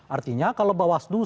artinya kalau bawah seluruh